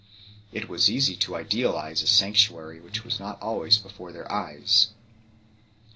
It was easy to idealize a sanctuary which was not always before their eyes.